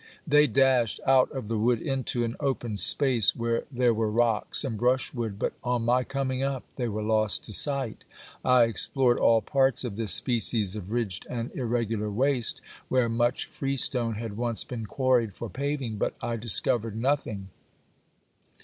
They dashed out of the wood into an open space where there were rocks and brushwood, but on my coming up they were lost to sight. I explored all parts of this species of ridged and irregular waste, where much freestone had once been quarried for paving, but I dis covered nothing.